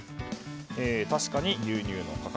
確かに牛乳の価格